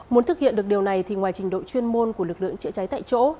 muốn thực hiện được điều này thì ngoài trình độ chuyên môn của lực lượng chữa cháy tại chỗ